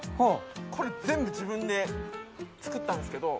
これ全部自分で作ったんすけど。